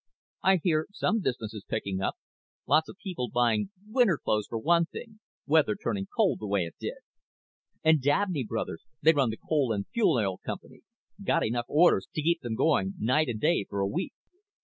"I hear some business is picking up. Lot of people buying winter clothes, for one thing, weather turning cold the way it did. And Dabney Brothers they run the coal and fuel oil company got enough orders to keep them going night and day for a week."